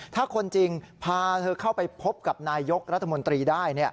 ถ้าคนจริงพาเธอเข้าไปพบกับนายยกรัฐมนตรีได้